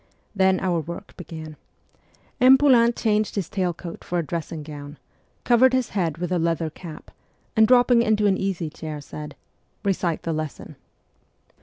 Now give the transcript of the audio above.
Then our work began. M. Poulain changed his tail coat for a dressing gown, covered his head with a leather cap, and dropping into an easy chair said ' Eecite v the lesson.'